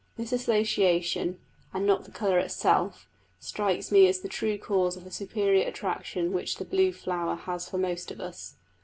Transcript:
This association, and not the colour itself, strikes me as the true cause of the superior attraction which the blue flower has for most of us.